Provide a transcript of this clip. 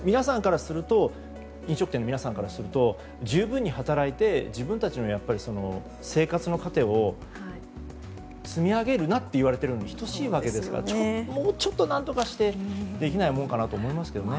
飲食店の皆さんからすると十分に働いて自分たちの生活の糧を積み上げるなって言われてるのに等しいわけですからもうちょっと何とかしてできないものかなと思いますけどね。